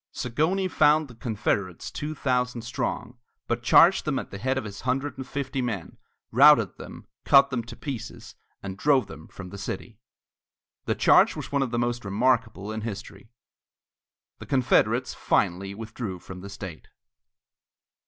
Zagonyi found the Confederates two thousand strong, but charged them at the head of his hundred and fifty men, routed them, cut them to pieces, and drove them from the city. The charge was one of the most remarkable in history. The Confederates finally withdrew from the state.